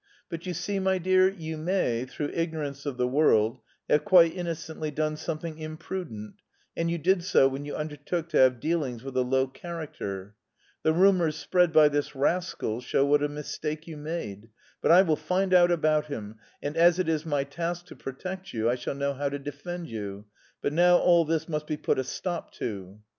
But you see, my dear, you may, through ignorance of the world, have quite innocently done something imprudent; and you did so when you undertook to have dealings with a low character. The rumours spread by this rascal show what a mistake you made. But I will find out about him, and as it is my task to protect you, I shall know how to defend you. But now all this must be put a stop to."